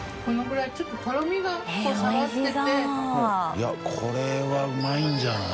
いこれはうまいんじゃない？